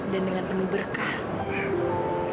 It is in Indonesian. dan dengan penuh berkah